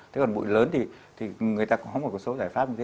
thế còn bụi lớn thì người ta không có số giải pháp